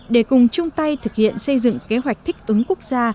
để cùng chung tay thực hiện xây dựng kế hoạch thích ứng quốc gia